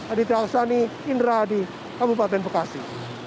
aditya aksani indra adi kabupaten bekasi